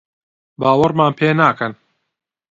باوەڕمان پێ ناکەن؟